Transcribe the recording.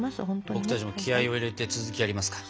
僕たちも気合を入れて続きやりますか。